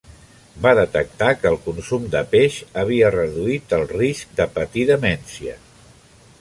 Va detectar que el consum de peix havia reduït el risc de patir demència.